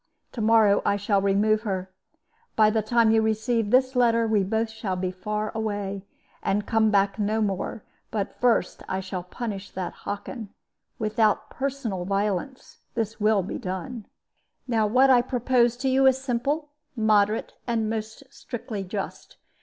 To morrow I shall remove her. By the time you receive this letter we shall both be far away, and come back no more; but first I shall punish that Hockin. Without personal violence this will be done. "Now what I propose to you is simple, moderate, and most strictly just.